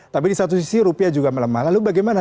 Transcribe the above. tapi di satu sisi rupiah juga melemah lalu bagaimana